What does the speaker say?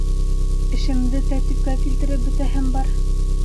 Эшемде тәртипкә килтереп бөтәһем бар.